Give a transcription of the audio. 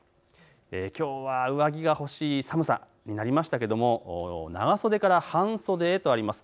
きょうは上着が欲しい寒さになりましたけれども長袖から半袖へとあります。